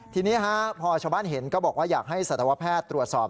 ทีนี้พอชาวบ้านเห็นก็บอกว่าอยากให้สัตวแพทย์ตรวจสอบ